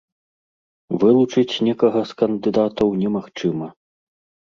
Вылучыць некага з кандыдатаў немагчыма.